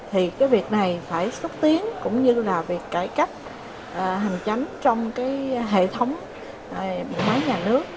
thì cái việc này phải xúc tiến cũng như là việc cải cách hành chánh trong cái hệ thống máy nhà nước